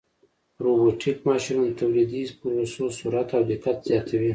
روبوټیک ماشینونه د تولیدي پروسو سرعت او دقت زیاتوي.